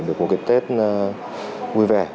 được một kiện tết vui vẻ